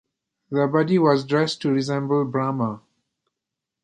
The body was dressed to resemble Brahma.